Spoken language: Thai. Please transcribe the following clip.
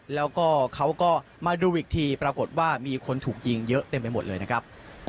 แล้วก็เขาก็มาดูอีกทีปรากฏว่ามีคนถูกยิงเยอะเต็มไปหมดเลยนะครับ